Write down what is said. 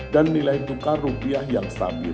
dan nilai tukar rupiah yang stabil